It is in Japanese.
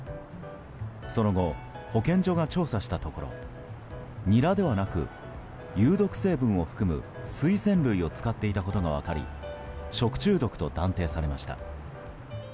その後、保健所が調査したところニラではなく有毒成分を含むスイセン類を使っていたことが分かり食中毒と断定されました。